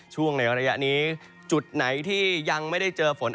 ช่วงในระยะนี้จุดไหนที่ยังไม่ได้เจอฝน